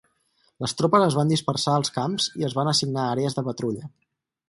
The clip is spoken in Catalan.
Les tropes es van dispersar als camps i es van assignar àrees de patrulla.